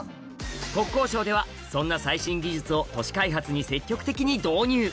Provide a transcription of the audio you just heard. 国交省ではそんな最新技術を都市開発に積極的に導入